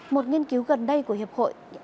một nghiên cứu gần đây của hiệp hội